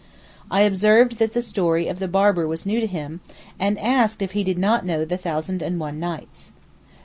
I observed that the story of the barber was new to him, and asked if he did not know the 'Thousand and One Nights.